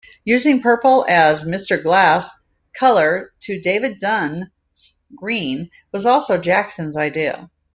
Using purple as Mr. Glass' color to David Dunn's green was also Jackson's idea.